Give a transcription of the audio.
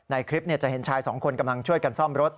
ในคลิปจะเห็นชายสองคนกำลังช่วยกันซ่อมรถ